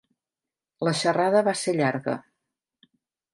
La xerrada va ser llarga.